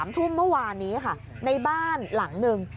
ทุ่มเมื่อวานนี้ค่ะในบ้านหลังหนึ่ง